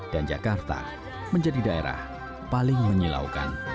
dan jakarta menjadi daerah paling menyilaukan